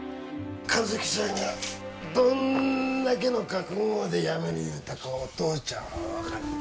和希ちゃんがどんだけの覚悟でやめる言うたかお父ちゃんは分かる。